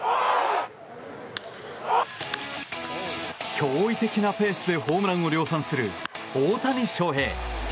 驚異的なペースでホームランを量産する大谷翔平。